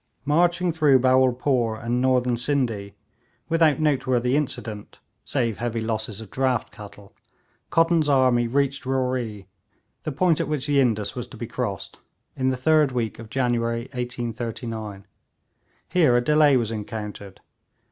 Marching through Bhawulpore and Northern Scinde, without noteworthy incident save heavy losses of draught cattle, Cotton's army reached Roree, the point at which the Indus was to be crossed, in the third week of January 1839. Here a delay was encountered.